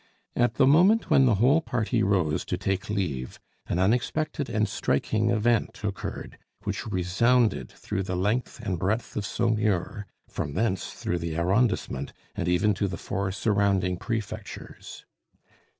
At the moment when the whole party rose to take leave, an unexpected and striking event occurred, which resounded through the length and breadth of Saumur, from thence through the arrondissement, and even to the four surrounding prefectures.